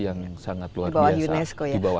yang sangat luar biasa di bawah unesco ya